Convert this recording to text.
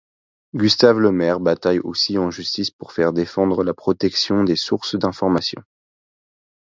Gustave Lemaire bataille aussi en justice pour faire défendre la protection des sources d'information.